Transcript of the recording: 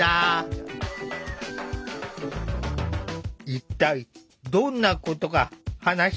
一体どんなことが話し合われるのか？